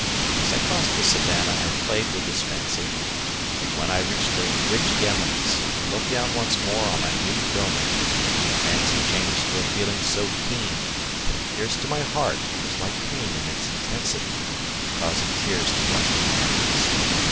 As I crossed the savannah I played with this fancy; but when I reached the ridgy eminence, to look down once more on my new domain, the fancy changed to a feeling so keen that it pierced to my heart and was like pain in its intensity, causing tears to rush to my eyes.